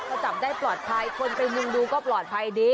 พอจับได้ปลอดภัยคนไปมุงดูก็ปลอดภัยดี